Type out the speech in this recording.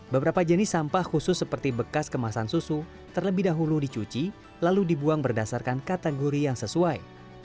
beberapa jenis sampah khusus seperti bekas kemasan susu terlebih dahulu dicuci lalu dibuang berdasarkan kategori yang sesuai